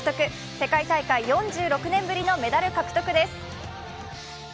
世界大会４６年ぶりのメダル獲得です。